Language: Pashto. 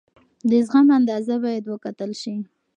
د زغم اندازه باید وکتل شي.